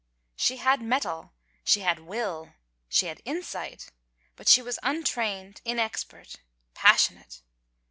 She had mettle, she had will, she had insight — but she was untrained, inexpert, passionate.